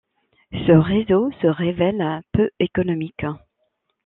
Ce réseau se révèle peu économique.